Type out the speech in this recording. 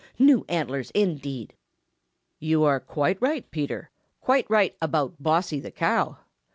New antlers indeed!" "You are quite right, Peter, quite right about Bossy the Cow.